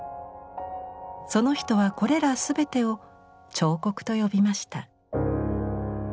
その人はこれら全てを「彫刻」と呼びました。